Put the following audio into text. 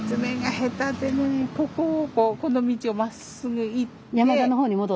ここをこうこの道をまっすぐ行って。